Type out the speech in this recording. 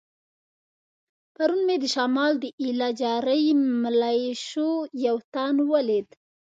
پرون مې د شمال د ایله جاري ملیشو یو تن ولید.